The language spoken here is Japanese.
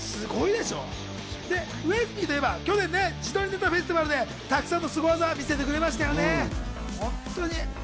ウエスＰといえば、去年自撮りネタフェスティバルでたくさんのスゴ技を見せてくれましたよね。